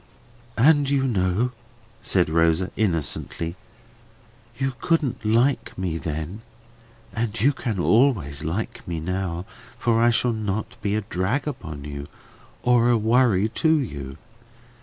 "And you know," said Rosa innocently, "you couldn't like me then; and you can always like me now, for I shall not be a drag upon you, or a worry to you.